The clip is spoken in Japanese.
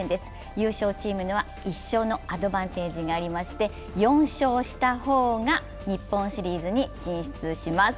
優勝チームには１勝のアドバンテージがありまして４勝した方が日本シリーズに進出します。